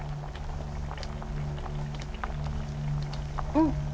うん！